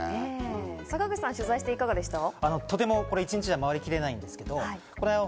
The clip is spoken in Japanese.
坂口さん、取材していかがでしたか？